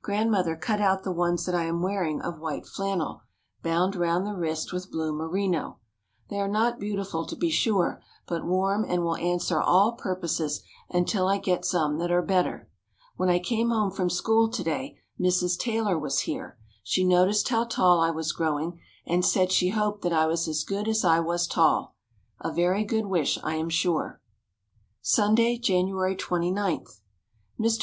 Grandmother cut out the ones that I am wearing of white flannel, bound round the wrist with blue merino. They are not beautiful to be sure, but warm and will answer all purposes until I get some that are better. When I came home from school to day Mrs. Taylor was here. She noticed how tall I was growing and said she hoped that I was as good as I was tall. A very good wish, I am sure. Sunday, January 29. Mr.